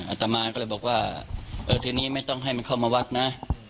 อาตมาก็เลยบอกว่าเออทีนี้ไม่ต้องให้มันเข้ามาวัดนะ